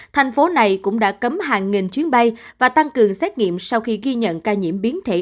thành phố này cũng đã cấm hàng nghìn chuyến bay và tăng cường xét nghiệm sau khi ghi nhận ca nhiễm biến thể